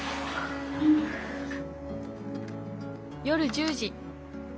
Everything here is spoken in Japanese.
夜１０時。